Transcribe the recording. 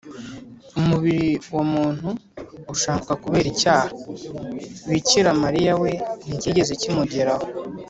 umubiri wa muntu ushanguka kubera icyaha. bikira mariya we ntikigeze kimugeraho